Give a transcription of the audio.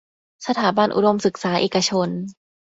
สถาบันอุดมศึกษาเอกชน